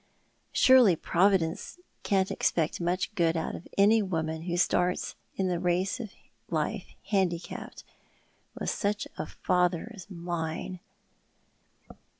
Surely Providence can't expect much good out of any u oman who starts in the race of life handicapped with such a father as mine.